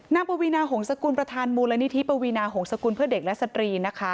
ปวีนาหงษกุลประธานมูลนิธิปวีนาหงศกุลเพื่อเด็กและสตรีนะคะ